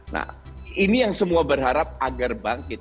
nah ini yang semua berharap agar bangkit